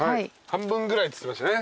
半分ぐらいっつってましたね。